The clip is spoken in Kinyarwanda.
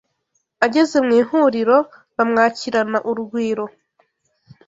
Ageze mu ihuriro bamwakirana urugwiro